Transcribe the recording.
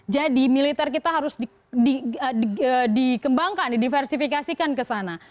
jadi militer kita harus dikembangkan di diversifikasikan kesana